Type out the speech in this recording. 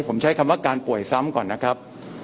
ผมใช้คำว่าการป่วยซ้ำก่อนนะครับ